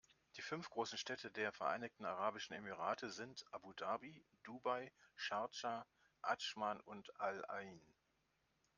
Die fünf großen Städte der Vereinigten Arabischen Emirate sind Abu Dhabi, Dubai, Schardscha, Adschman und Al-Ain.